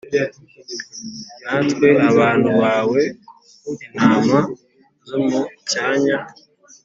Natwe abantu bawe intama zo mu cyanya